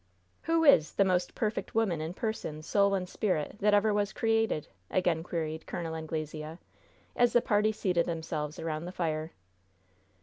"Who is 'the most perfect woman in person, soul and spirit that ever was created'?" again queried Col. Anglesea, as the party seated themselves around the fire.